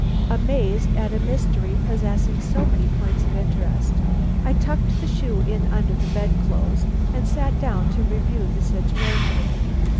Amazed at a mystery possessing so many points of interest, I tucked the shoe in under the bedclothes and sat down to review the situation.